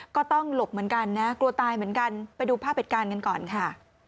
ก็ต้องหลบเหมือนกันนะกลัวตายเหมือนกันไปดูภาพเหตุการณ์กันก่อนค่ะ